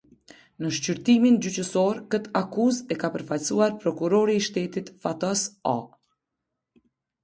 Në shqyrtimin gjyqësorë këtë aktakuzë e ka përfaqësuar Prokurori i Shtetit Fatos A.